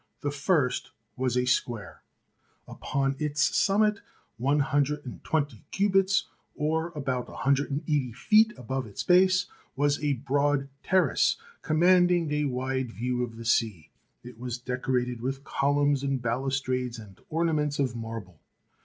The first was square. Upon its summit, 121 cubits, or about 1 80 feet, above its base, was a broad terrace, com manding a wide view of the sea. It was decorated with columns and balustrades and ornaments of marble.